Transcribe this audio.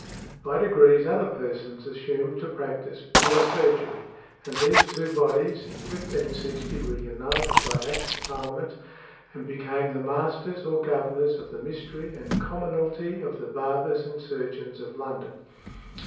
By degrees other persons assumed to practise pure surgery, and these two bodies, in 1560, were united by Act of Parliament, and became "The Masters or Governors of the Mystery and Commonalty of the Barbers and Surgeons of London."